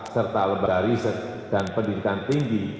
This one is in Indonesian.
serta lembaga riset dan pendidikan tinggi